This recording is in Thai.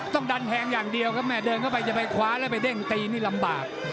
ต้องดันแทงอย่างเดียวครับแม่เดินเข้าไปจะไปคว้าแล้วไปเด้งตีนี่ลำบาก